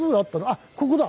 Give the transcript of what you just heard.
あっここだ！